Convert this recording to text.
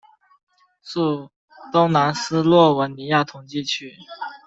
属东南斯洛文尼亚统计区。